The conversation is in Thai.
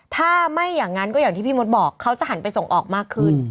ถ้าไม่อย่างนั้นก็อย่างที่พี่มดบอกเขาจะหันไปส่งออกมากขึ้น